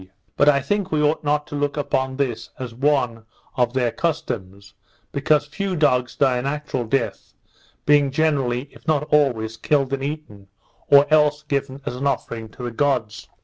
But I think we ought not to look upon this as one of their customs; because few dogs die a natural death, being generally, if not always, killed and eaten, or else given as an offering to the gods.